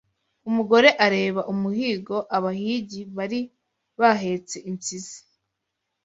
Umugore areba umuhigo abahigi bari bahetse impyisi